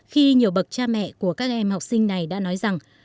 khi nhiều bậc cha mẹ của các em học sinh này đã nói rằng